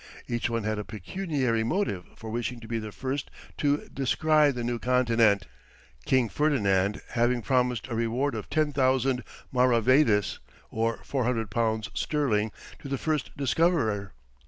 Each one had a pecuniary motive for wishing to be the first to descry the New Continent, King Ferdinand having promised a reward of 10,000 maravédis, or 400 pounds sterling, to the first discoverer.